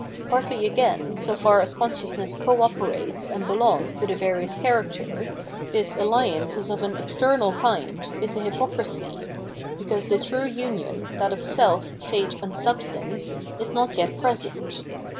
Partly again, so far as conscious ness co operates and belongs to the various characters, this alliance is of an external kind, is a h3rpocrisy — because the true union, that of self, fate, and substance, is not yet present.